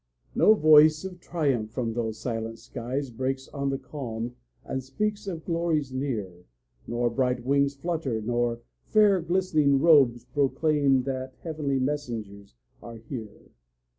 No voice of triumph from those silent skies Breaks on the calm, and speaks of glories near, Nor bright wings flutter, nor fair glistening robes Proclaim that heavenly messengers are here.